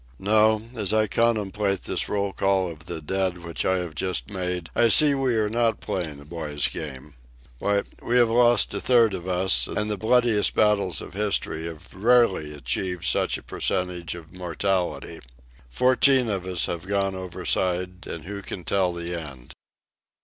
No; as I contemplate this roll call of the dead which I have just made I see that we are not playing a boy's game. Why, we have lost a third of us, and the bloodiest battles of history have rarely achieved such a percentage of mortality. Fourteen of us have gone overside, and who can tell the end?